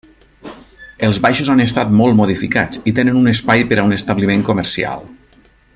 Els baixos han estat molt modificats i tenen un espai per a un establiment comercial.